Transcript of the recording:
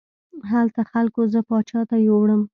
هلته خلکو زه پاچا ته یووړم.